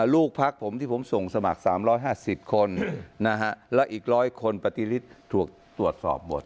ลูกพักผมที่ผมส่งสมัคร๓๕๐คนแล้วอีก๑๐๐คนปฏิฤทธิ์ถูกตรวจสอบหมด